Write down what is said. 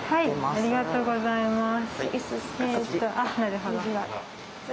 ありがとうございます。